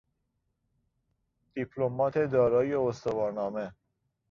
دیپلمات دارای استوارنامه